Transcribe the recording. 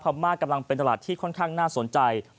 มากำลังเป็นตลาดที่ค่อนข้างน่าสนใจ